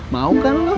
mau kan lu